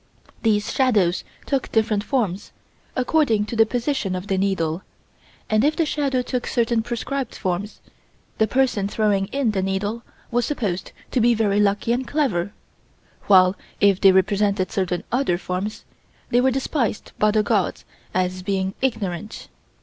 These shadows took different forms, according to the position of the needle, and if the shadow took certain prescribed forms, the person throwing in the needle was supposed to be very lucky and clever, while if they represented certain other forms, they were despised by the gods as being ignorant.